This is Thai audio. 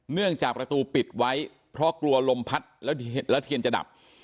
เนื่องจากประตูปิดไว้เพราะกลัวลมพัดแล้วเทียนจะดับ